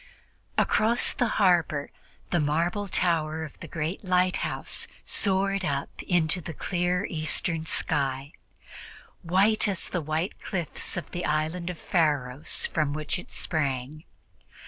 Across the harbor the marble tower of the great lighthouse soared up into the clear Eastern sky, white as the white cliffs of the Island of Pharos from which it sprang.